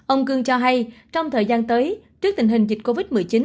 ông cương cho hay trong thời gian tới trước tình hình dịch covid một mươi chín